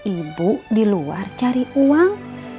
ibu di luar cari uang